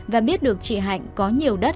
và biết được chị hạnh có nhiều thay đổi